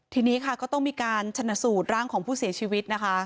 ทีนี้ค่ะก็ต้องมีการชนะสูตรร่างของผู้เสียชีวิตนะคะ